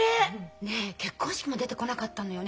ねえ結婚式も出てこなかったのよね。